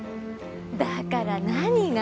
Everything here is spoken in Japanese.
だから何が？